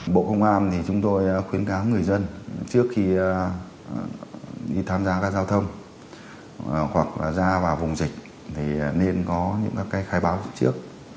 bộ công an thì chúng tôi khuyến cáo người dân trước khi tham gia các giao thông hoặc là ra vào vùng dịch thì nên có những khai báo trước